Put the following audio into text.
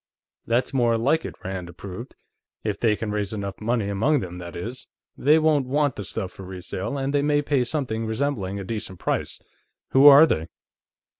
"That's more like it," Rand approved. "If they can raise enough money among them, that is. They won't want the stuff for resale, and they may pay something resembling a decent price. Who are they?"